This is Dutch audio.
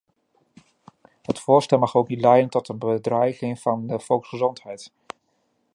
Het voorstel mag ook niet leiden tot een bedreiging van de volksgezondheid.